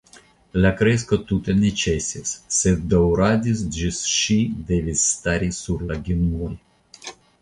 La kresko tute ne ĉesis, sed daŭradis ĝis ŝi devis stari sur la genuoj.